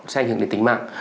sẽ ảnh hưởng đến tính mạng